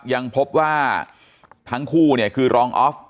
ยังพบว่าทั้งคู่เนี่ยคือรองออฟ